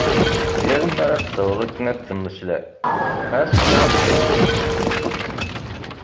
Yal mi ara d-taweḍ akken ad d-temmeslay as-truḥ tebɣest.